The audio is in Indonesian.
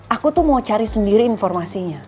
aku tuh mau cari sendiri informasinya